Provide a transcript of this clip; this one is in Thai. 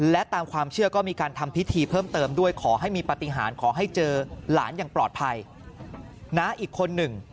และตามความเชื่อก็มีการทำพิธีเพิ่มเติมด้วยขอให้มีปฏิหารขอให้เจอหลานอย่างปลอดภัยนะอีกคนหนึ่ง